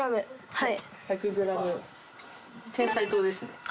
はい。